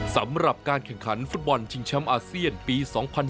สำหรับการแข่งขันฟุตบอลชิงแชมป์อาเซียนปี๒๐๑๖